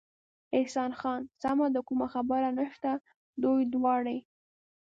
احسان خان: سمه ده، کومه خبره نشته، دوی دواړې.